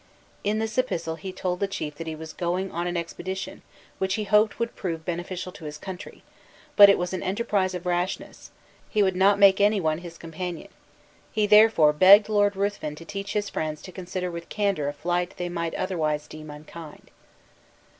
In this epistle he told the chief that he was going on an expedition which he hoped would prove beneficial to his country; but it was an enterprise of rashness, he would not make any one his companion; he therefore begged Lord Ruthven to teach his friends to consider with candor a flight they might otherwise deem unkind.